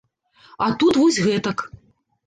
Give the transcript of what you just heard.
А тут вось гэтак.